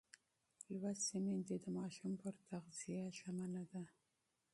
لوستې میندې د ماشوم پر تغذیه ژمنه ده.